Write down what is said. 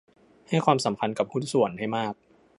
ให้ความสำคัญกับหุ้นส่วนให้มาก